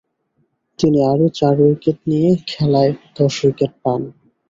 তিনি আরও চার উইকেট নিয়ে খেলায় দশ উইকেট পান।